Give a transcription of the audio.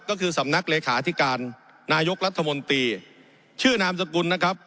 ก็คือสำนักเลขาธิการนายกรัฐมนตรีชื่อนามสกุลนะครับ